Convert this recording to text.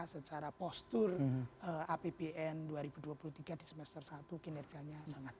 secara postur apbn dua ribu dua puluh tiga di semester satu kinerjanya sangat